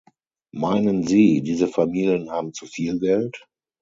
Meinen Sie, diese Familien haben zu viel Geld?